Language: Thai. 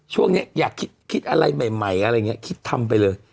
ช่วงนี้อยากคิดอะไรใหม่อะไรอย่างนี้คิดทำไปเลย